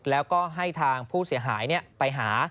แล้วก็ให้ทางผู้เสียหายไปหา